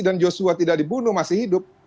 dan joshua tidak dibunuh masih hidup